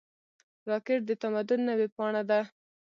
راکټ د تمدن نوې پاڼه ده